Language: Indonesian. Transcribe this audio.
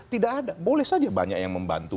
tidak ada boleh saja banyak yang membantu